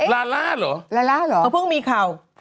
ลาร่าหรอลาล่าหรอเพิ่งมีข่าว